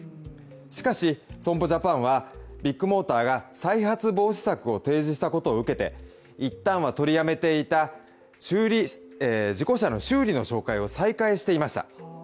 しかし損保ジャパンはビッグモーターが再発防止策を提示したことを受けて一旦は取りやめていた事故車の修理の紹介を再開していました。